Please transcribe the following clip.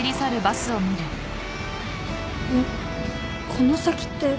えっこの先って。